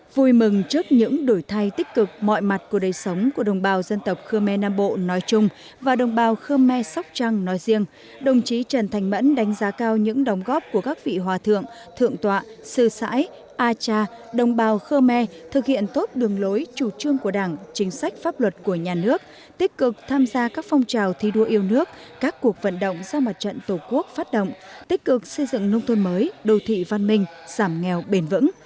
vui mừng trước những đổi thay tích cực mọi mặt của đời sống của đồng bào dân tộc khơ me nam bộ nói chung và đồng bào khơ me sóc trăng nói riêng đồng chí trần thành mẫn đánh giá cao những đồng góp của các vị hòa thượng thượng tọa sư sãi a cha đồng bào khơ me thực hiện tốt đường lối chủ trương của đảng chính sách pháp luật của nhà nước tích cực tham gia các phong trào thi đua yêu nước các cuộc vận động sau mặt trận tổ quốc phát động tích cực xây dựng nông thôn mới đồ thị văn minh giảm nguồn